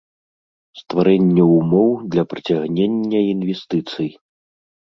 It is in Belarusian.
Стварэнне ўмоў для прыцягнення iнвестыцый.